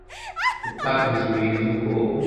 yatakaye birenze ubwoba.